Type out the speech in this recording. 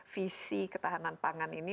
visi ketahanan pangan ini